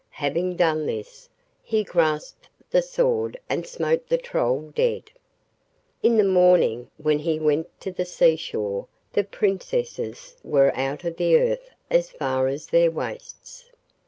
Having done this, he grasped the sword and smote the Troll dead. In the morning when he went to the sea shore the Princesses were out of the earth as far as their waists.